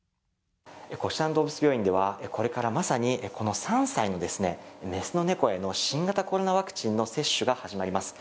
こちらの動物病院ではこれからまさにこの３歳の雌の猫への新型コロナワクチンの接種が始まります。